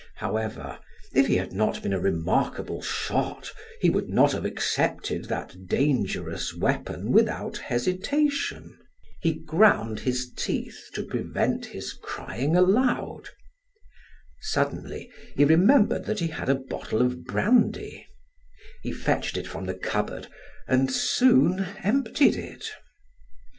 However, if he had not been a remarkable shot, he would not have accepted that dangerous weapon without hesitation. He ground his teeth to prevent his crying aloud. Suddenly he remembered that he had a bottle of brandy; he fetched it from the cupboard and soon emptied it.